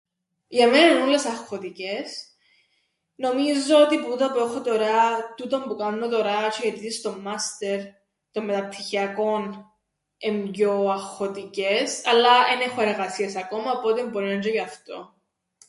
Για μέναν εν' ούλλες αγχωτικές. Νομίζω ότι που τούτα που ΄έχω τωρά, τούτον που κάμνω τωρά τžαι οι αιτήσεις των μάστερ, των μεταπτυχιακών εν' πιο αγχωτικές, αλλά εν έχω εργασίες ακόμα οπότε μπορεί να 'ν' τžαι γι' αυτόν.